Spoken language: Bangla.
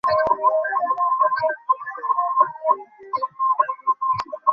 শীঘ্রই নতুন গাড়ি কিনব।